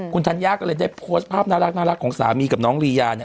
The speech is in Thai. คุณธัญญาก็เลยได้โพสต์ภาพน่ารักของสามีกับน้องลียา